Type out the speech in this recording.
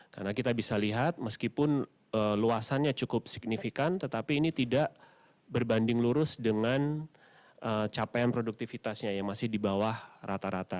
karena kita bisa lihat meskipun luasannya cukup signifikan tetapi ini tidak berbanding lurus dengan capaian produktivitasnya yang masih di bawah rata rata